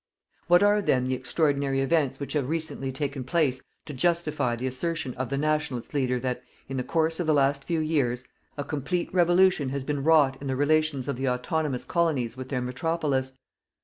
What are then the extraordinary events which have recently taken place to justify the assertion of the "Nationalist" leader that, in the course of the last few years, a complete REVOLUTION has been wrought in the relations of the autonomous Colonies with their Metropolis?